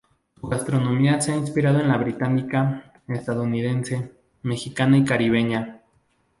Su gastronomía se ha inspirado en la británica, estadounidense, mexicana y caribeña.